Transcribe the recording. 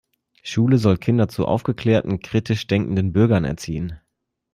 Schule soll Kinder zu aufgeklärten, kritisch denkenden Bürgern erziehen.